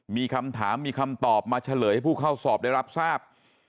มีคำถามมีคำตอบมาเฉลยให้ผู้เข้าสอบได้รับทราบ